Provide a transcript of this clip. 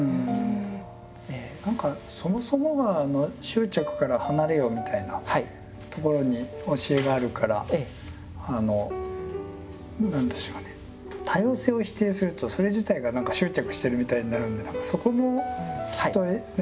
何かそもそもが「執着から離れよ」みたいなところに教えがあるから何でしょうかね多様性を否定するとそれ自体が何か執着してるみたいになるのでそこもきっとね。